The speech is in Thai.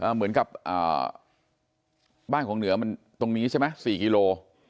เหมือนกับบ้านของเหนือมันตรงนี้ใช่ไหม๔กิโล